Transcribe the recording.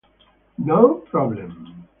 No problem.